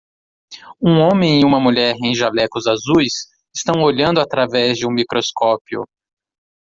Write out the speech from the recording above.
Um homem e uma mulher em jalecos azuis estão olhando através de um microscópio.